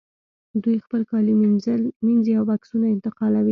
دوی خپل کالي مینځي او بکسونه انتقالوي